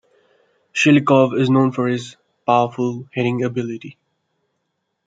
Chilikov is known for his powerful heading ability.